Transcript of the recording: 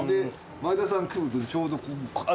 前田さん来るとちょうど頭。